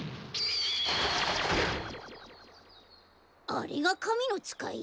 あれがかみのつかい？